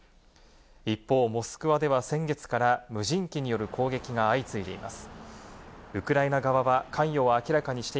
一方、モスクワでは先月から無人機による攻撃が相次いでいます。